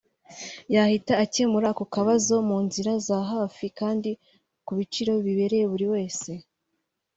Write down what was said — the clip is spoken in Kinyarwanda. yahita akemura ako kabazo mu nzira za hafi kandi ku biciro bibereye buri wese